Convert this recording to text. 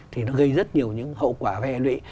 thì nó gây rất nhiều những hậu quả vẻ lụy